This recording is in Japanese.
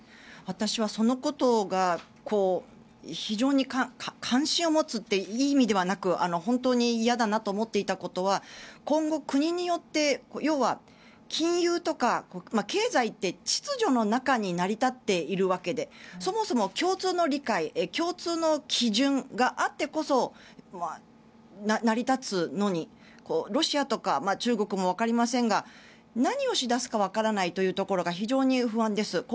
私はそのことが非常に関心を持つというかいい意味ではなく本当に嫌だなと思っていたことは今後、国によって要は金融とか経済って秩序の中に成り立っているわけでそもそも共通の理解共通の基準があってこそ成り立つのにロシアとか中国もわかりませんが何をし出すかわからないというところが非常に不安です。